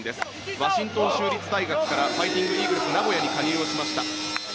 ワシントン州立大学からファイティングイーグルス名古屋に加入しました。